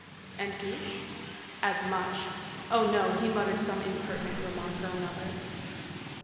"And Guiche?" "As much oh, no! he muttered some impertinent remark or another."